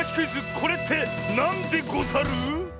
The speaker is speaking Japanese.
「これってなんでござる」。